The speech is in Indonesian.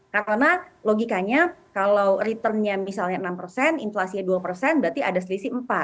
karena logikanya kalau returnnya misalnya enam persen inflasinya dua persen berarti ada selisih empat